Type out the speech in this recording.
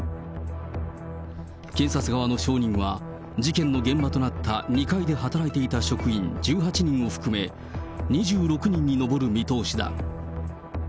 検察側の証人は、事件の現場となった２階で働いていた職員１８人を含め、２６人に上る見通しだ。